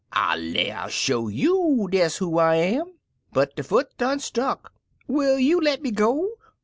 I lay I'll show you des who I am !" But de foot done stuck! "Will you le* me go?"